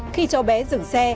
khi chó bé dừng xe